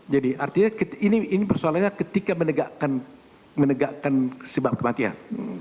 jadi artinya ini persoalannya ketika menegakkan sebab kematian